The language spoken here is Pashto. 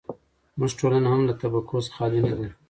زموږ ټولنه هم له طبقو څخه خالي نه ده.